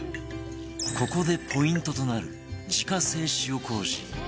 ここでポイントとなる自家製塩麹